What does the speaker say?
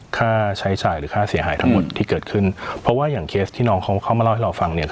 ค่าใช้จ่ายหรือค่าเสียหายทั้งหมดที่เกิดขึ้นเพราะว่าอย่างเคสที่น้องเขาเข้ามาเล่าให้เราฟังเนี่ย